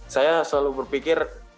saya selalu berpikir